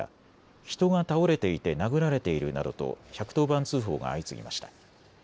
人が倒れていて殴られているなどと１１０番通報が相次ぎました。